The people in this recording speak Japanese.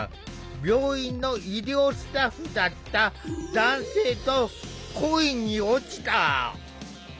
病院の医療スタッフだった男性と恋に落ちた。